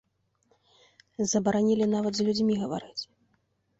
Забаранілі нават з людзьмі гаварыць.